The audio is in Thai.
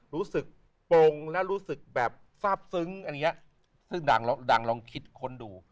รู้สึกโปรงและรู้สึกแบบทราบซึ้งอันนี้ซึ่งดังลองคิดค้นดู